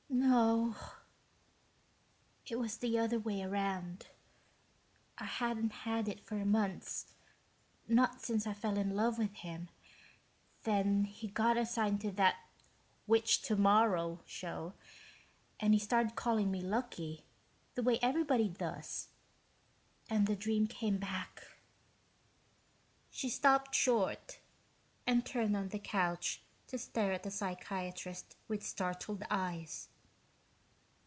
"No. It was the other way around. I hadn't had it for months, not since I fell in love with him, then he got assigned to that "Which Tomorrow?" show and he started calling me "Lucky," the way everybody does, and the dream came back...." She stopped short, and turned on the couch to stare at the psychiatrist with startled eyes.